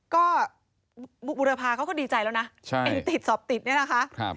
ก็บุรพาเขาก็ดีใจแล้วนะติดสอบติดเนี่ยนะคะ